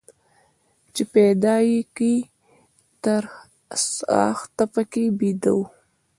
چې پيدا يې کى تر څاښته پکښي بيده وو.